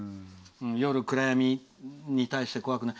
夜、暗闇に対して怖くない。